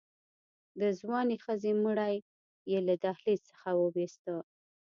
د ځوانې ښځې مړی يې له دهلېز څخه ووېسته.